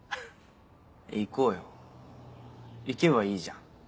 行こうよ行けばいいじゃん。